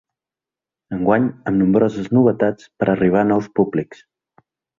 Enguany, amb nombroses novetats, per a arribar a nous públics.